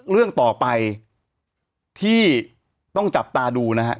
เรื่องต่อไปที่ต้องจับตาดูนะฮะ